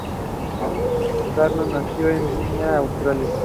Carlos nació en Viena, Austria.